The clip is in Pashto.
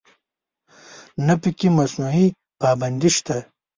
نه په کې موضوعي پابندي شته.